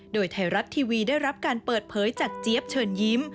โดยไทยรัฐทีวีได้รับการเปิดเผยจากเจี๊ยบเชิญยิ้ม